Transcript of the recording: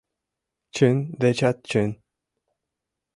Чын дечат чын.